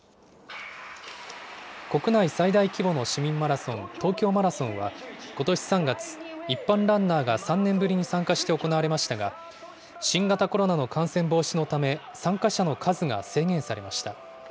国内最大規模の市民マラソン、東京マラソンは、ことし３月、一般ランナーが３年ぶりに参加して行われましたが、新型コロナの感染防止のため、参加者の数が制限されました。